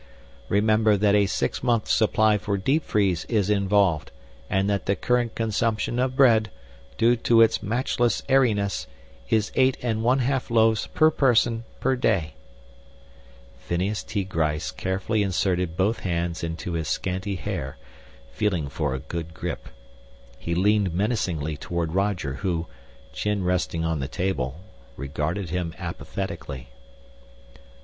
Remember that a six month supply for deep freeze is involved and that the current consumption of bread, due to its matchless airiness, is eight and one half loaves per person per day." Phineas T. Gryce carefully inserted both hands into his scanty hair, feeling for a good grip. He leaned menacingly toward Roger who, chin resting on the table, regarded him apathetically.